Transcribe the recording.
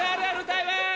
歌います。